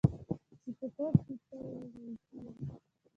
چې په خوب کې تې وېرېږم.